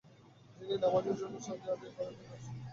তিনি নামজের মধ্যে সজিদাহ আদায় কালে দুরচিন্তায় ভুগছেন।